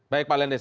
baik pak lenis